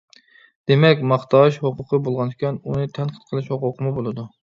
دېمەك، ماختاش ھوقۇقى بولغانىكەن، ئۇنى تەنقىد قىلىش ھوقۇقىمۇ بولىدۇ.